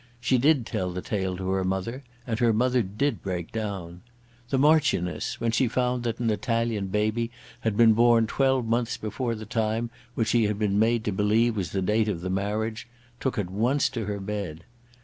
She did tell the tale to her mother, and her mother did break down. The Marchioness, when she found that an Italian baby had been born twelve months before the time which she had been made to believe was the date of the marriage, took at once to her bed.